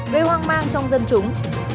gây hoang mang trong dân chúng